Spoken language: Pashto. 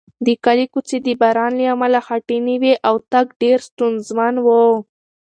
د کلي کوڅې د باران له امله خټینې وې او تګ ډېر ستونزمن و.